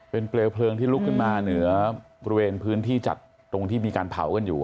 เป็นเปลวเพลิงที่ลุกขึ้นมาเหนือบริเวณพื้นที่จัดตรงที่มีการเผากันอยู่